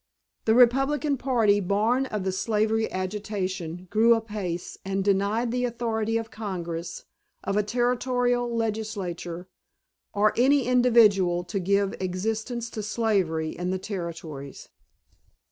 The Republican party, born of the slavery agitation, grew apace, and "denied the authority of Congress, of a Territorial Legislature, or any individual to give existence to slavery in the Territories."